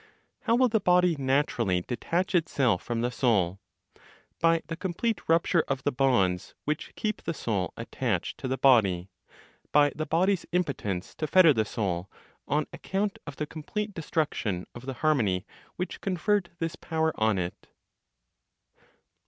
How will the body naturally detach itself from the soul? By the complete rupture of the bonds which keep the soul attached to the body, by the body's impotence to fetter the soul, on account of the complete destruction of the harmony which conferred this power on it.